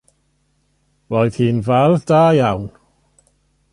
Roedd hi'n fardd da iawn.